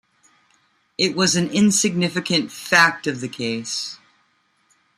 It was an insignificant fact-of-the-case.